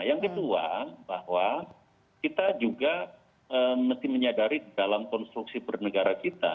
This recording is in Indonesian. yang kedua bahwa kita juga mesti menyadari dalam konstruksi bernegara kita